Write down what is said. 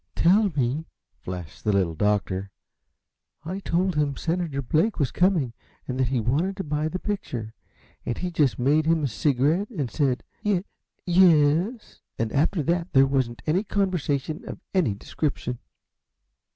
"Tell me!" flashed the Little Doctor. "I told him Senator Blake was coming, and that he wanted to buy the picture, and he just made him a cigarette and said, 'Ye e es?' And after that there wasn't any conversation of any description!"